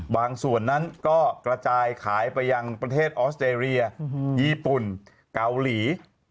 ส่วนนั้นก็กระจายขายไปยังประเทศออสเตรเลียญี่ปุ่นเกาหลี